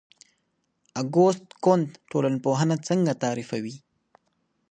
اګوست کُنت ټولنپوهنه څنګه تعریفوي؟